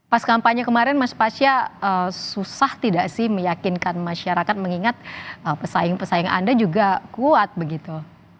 pas kampanye kemarin mas pasya susah tidak sih meyakinkan masyarakat mengingat pesaing pesaing anda juga kuat begitu